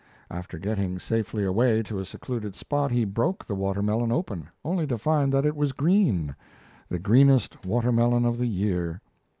After getting safely away to a secluded spot, he broke the water melon open only to find that it was green, the greenest water melon of the year.